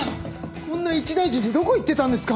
こんな一大事にどこ行ってたんですか？